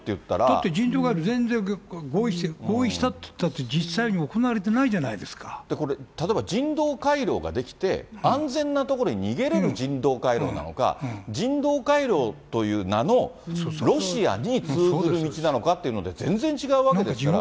だって人道回廊、全然合意したっていったって、実際に行われこれ、例えば人道回廊が出来て、安全な所に逃げれる人道回廊なのか、人道回廊という名の、ロシアに通ずる道なのかで、全然違うわけですから。